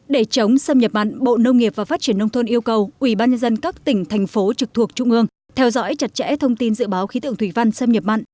để chống xâm nhập mặn bộ nông nghiệp và phát triển nông thôn yêu cầu ubnd các tỉnh thành phố trực thuộc trung ương theo dõi chặt chẽ thông tin dự báo khí tượng thủy văn xâm nhập mặn